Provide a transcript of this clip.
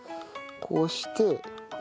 こうして。